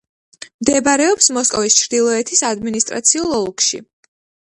მდებარეობს მოსკოვის ჩრდილოეთის ადმინისტრაციულ ოლქში.